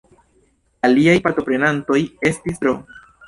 Aliaj partoprenantoj estis Dro.